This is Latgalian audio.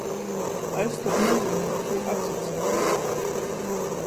Es tod nazynuoju, kū atsaceit.